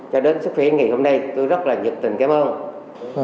cho đến sức khỏe ngày hôm nay tôi rất là nhiệt tình cảm ơn